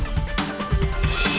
tidak ada yang mencoba